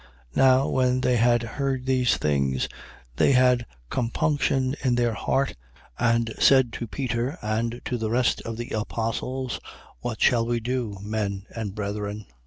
2:37. Now when they had heard these things, they had compunction in their heart and said to Peter and to the rest of the apostles: What shall we do, men and brethren?